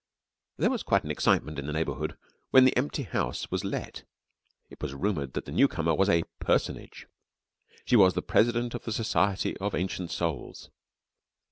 There was quite an excitement in the neighbourhood when the empty house was let. It was rumoured that the newcomer was a Personage. She was the President of the Society of Ancient Souls.